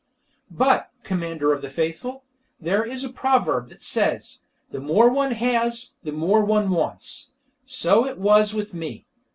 But, Commander of the Faithful, there is a proverb that says, "the more one has, the more one wants." So it was with me.